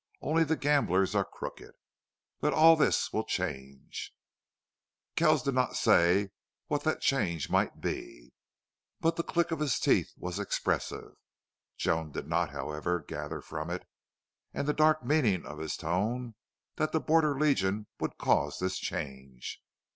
Only the gamblers are crooked. But all this will change." Kells did not say what that change might be, but the click of his teeth was expressive. Joan did not, however, gather from it, and the dark meaning of his tone, that the Border Legion would cause this change.